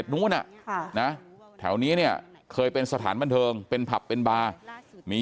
นู้นแถวนี้เนี่ยเคยเป็นสถานบันเทิงเป็นผับเป็นบาร์มี